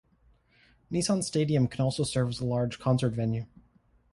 Nissan Stadium can also serve as a large concert venue.